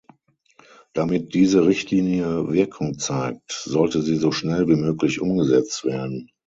Damit diese Richtlinie Wirkung zeigt, sollte sie so schnell wie möglich umgesetzt werden.